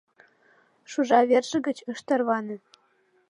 Жужа верже гыч ыш тарване.